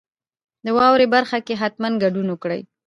د واورئ برخه کې حتما ګډون وکړئ.